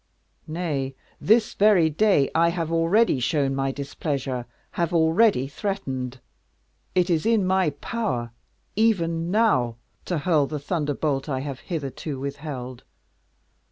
nay, this very day I have already shown my displeasure have already threatened. It is in my power, even now, to hurl the thunderbolt I have hitherto withheld.